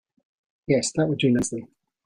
Yes, that would do nicely.